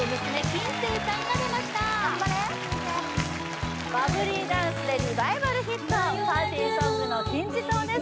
金星さんが出ましたバブリーダンスでリバイバルヒットパーティーソングの金字塔です